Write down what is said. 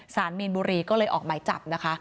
สารมีนบุรีก็เลยออกหมายจับนะคะ